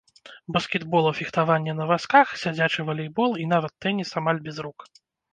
Баскетбол і фехтаванне на вазках, сядзячы валейбол і нават тэніс амаль без рук.